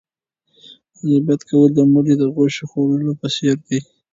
غیبت کول د مړي د غوښې خوړلو په څېر دی.